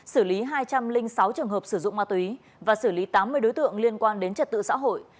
xử lý hai trăm linh sáu trường hợp sử dụng ma túy và xử lý tám mươi đối tượng liên quan đến trật tự xã hội